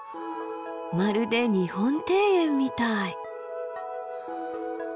まるで日本庭園みたい。